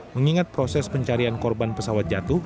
mengingat proses pencarian korban pesawat jatuh